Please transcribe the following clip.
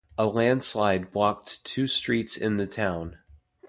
A landslide blocked two streets in the town.